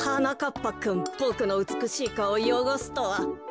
ぱくんボクのうつくしいかおをよごすとは。